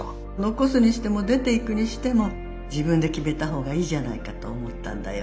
「残すにしても出ていくにしても自分で決めたほうがいいじゃないかと思ったんだよ」。